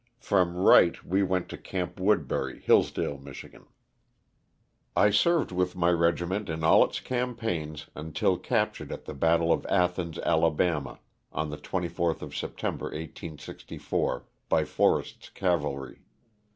From Wright we went to Gamp Woodbury, Hillsdale, Mich. I served with my regiment in all its campaigns un til captured at the battle of Athens, Ala., on the 24th of September, 1864, by Forrest* s cavalry.